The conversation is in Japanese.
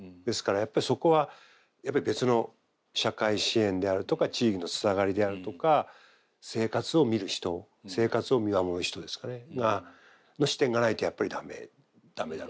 ですからやっぱりそこは別の社会支援であるとか地域のつながりであるとか生活を見る人生活を見守る人の視点がないとやっぱり駄目だろうな。